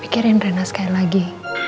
pikirin rena sekali lagi